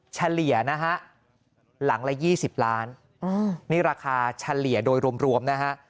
เฉลี่ยนะฮะหลังละ๒๐ล้านนี่ราคาเฉลี่ยโดยรวมนะฮะ